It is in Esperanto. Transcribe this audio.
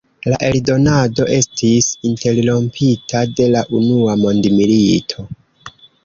La eldonado estis interrompita de la Unua Mondmilito.